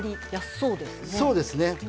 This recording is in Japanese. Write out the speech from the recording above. そうです。